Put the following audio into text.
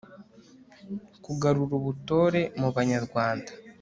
kugarura ubutore mu banyarwanda